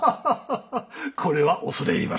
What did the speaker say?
これは恐れ入ります。